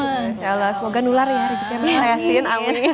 masya allah semoga nular ya rezeknya maha ya sin amin